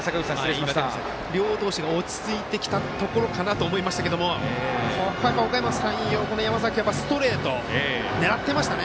両投手が落ち着いてきたところかなと思いましたけどここは、おかやま山陽山崎君、ストレート狙ってましたね。